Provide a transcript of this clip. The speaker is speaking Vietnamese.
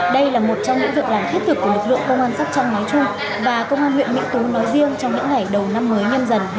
đây là một trong những việc làm thiết thực của lực lượng công an sắp trong mái chung và công an huyện mỹ tú nói riêng trong những ngày đầu năm mới nhân dân hai nghìn hai mươi hai